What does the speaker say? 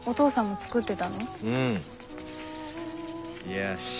よし。